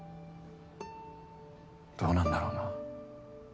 どうなんだろうな。